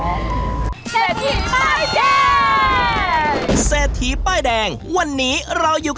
แม่วัตถุดิบมีอะไรบ้างคะ